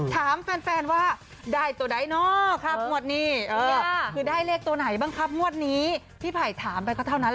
ถามแฟนว่าได้ตัวไหนเนาะครับ